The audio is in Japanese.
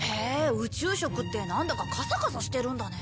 宇宙食ってなんだかカサカサしてるんだね。